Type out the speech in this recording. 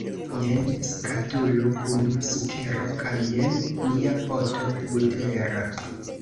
Jen skatolo kun sukero kaj jen nia poto butera.